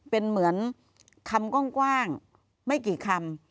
เป็นเหมือนคำกว้างไม่กี่คำ